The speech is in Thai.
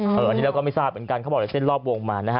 อันนี้เราก็ไม่ทราบเหมือนกันเขาบอกจากเส้นรอบวงมานะฮะ